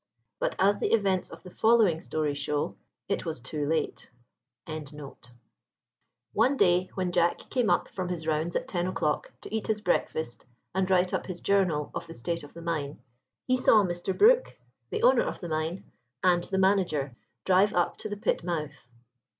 But, as the events of the following story show, it was too late.] One day, when Jack came up from his rounds at ten o'clock, to eat his breakfast and write up his journal of the state of the mine, he saw Mr. Brook (the owner of the mine) and the manager drive up to the pit mouth.